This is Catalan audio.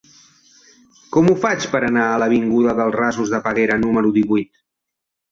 Com ho faig per anar a l'avinguda dels Rasos de Peguera número divuit?